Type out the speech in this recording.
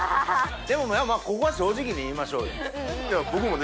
でもやっぱここは正直に言いましょうよ。